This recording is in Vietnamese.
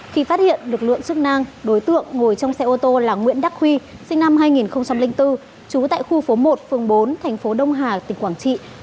xin chào và hẹn gặp lại